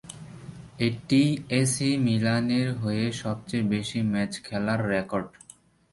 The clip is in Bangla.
এটিই এসি মিলানের হয়ে সবচেয়ে বেশি ম্যাচ খেলার রেকর্ড।